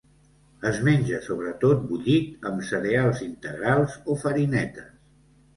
Es menja sobretot bullit amb cereals integrals o farinetes.